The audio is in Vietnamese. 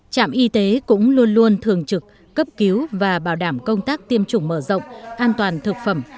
trạm y tế cũng luôn luôn thường trực cấp cứu và bảo đảm công tác tiêm chủng mở rộng an toàn thực phẩm